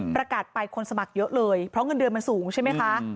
ประกาศไปคนสมัครเยอะเลยเพราะเงินเดือนมันสูงใช่ไหมคะ